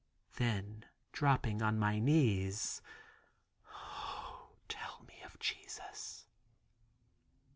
Then dropping on my knees, "O tell me of Jesus."